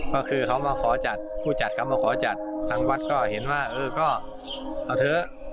ก็คือเขามาขอจัดผู้จัดเขามาขอจัดทางวัดก็เห็นว่าเออก็เอาเถอะ